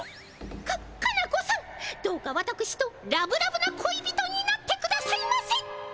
カカナ子さんどうかわたくしとラブラブな恋人になってくださいませ！